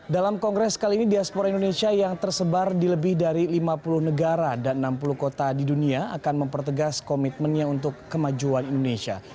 dalam kongres kali ini diaspora indonesia yang tersebar di lebih dari lima puluh negara dan enam puluh kota di dunia akan mempertegas komitmennya untuk kemajuan indonesia